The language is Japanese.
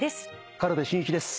軽部真一です。